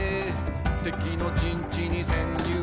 「敵の陣地に潜入」